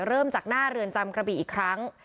เริ่มจากหน้าเรือนจำกระบี่อีกครั้ง